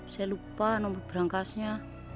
saya lupa nomor berangkasnya